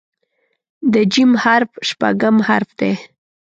د "ج" حرف شپږم حرف دی.